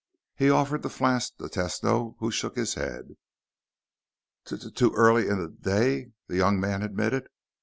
He offered the flask to Tesno, who shook his head. "T too early in the d day," the young man admitted.